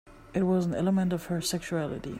It was an element of her sexuality.